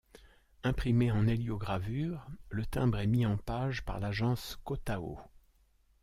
Imprimé en héliogravure, le timbre est mis en page par l'agence Kotao.